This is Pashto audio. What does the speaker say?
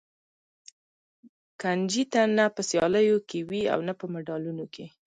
کنجي نه په سیالیو کې وي او نه په مډالونه کې.